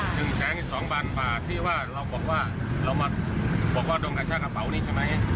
หนึ่งแสนอีกสองพันบาทที่ว่าเราบอกว่าเรามาบอกว่าโดนกระชากระเป๋านี้ใช่ไหม